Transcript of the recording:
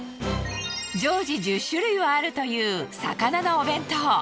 常時１０種類はあるという魚のお弁当。